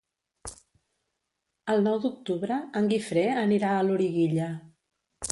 El nou d'octubre en Guifré anirà a Loriguilla.